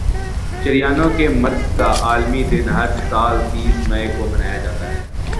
شریانوں کے مرض کا عالمی دن ہر سال تیس مئی کو منایا جاتا ہے